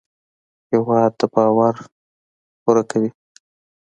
هېواد د باور پوره کوي.